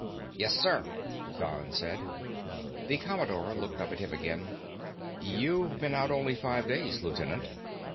"Yes, sir," Don said. The Commodore looked up at him again. "You've been out only five days, Lieutenant."